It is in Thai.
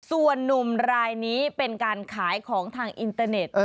ส่วนนุ่มรายนี้เป็นการขายของทางอินเตอร์เน็ต